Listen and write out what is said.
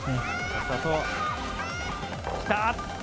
きた！